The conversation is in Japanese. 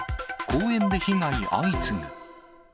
公園で被害相次ぐ。